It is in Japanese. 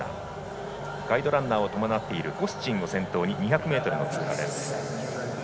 ガイドランナーを伴っているコスチンを先頭に２００ｍの通過。